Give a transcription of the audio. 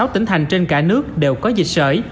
năm mươi sáu tỉnh thành trên cả nước đều có dịch sở